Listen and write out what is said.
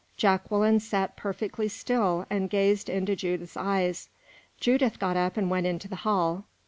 Jacqueline sat perfectly still and gazed into Judith's eyes. Judith got up and went into the hall.